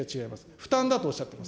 負担だとおっしゃってます。